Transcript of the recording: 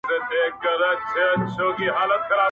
ياره وس دي نه رسي ښكلي خو ســرزوري دي~